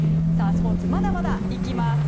スポーツまだまだいきます。